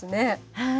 はい。